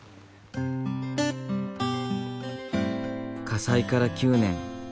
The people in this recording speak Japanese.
火災から９年。